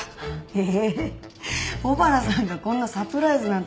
ええ小原さんがこんなサプライズなんて。